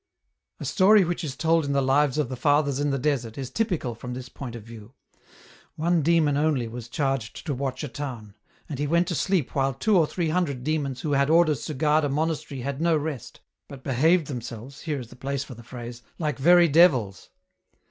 " A story which is told in the Lives of the Fathers in the Desert, is typical from this point of view. One demon only was charged to watch a town ; and he went to sleep whUe two or three hundred demons who had orders to guard a monastery had no rest, but behaved themselves, here is the place for the phrase, like very devils.